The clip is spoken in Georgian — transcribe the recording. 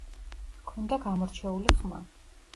ჰქონდა გამორჩეული ხმა.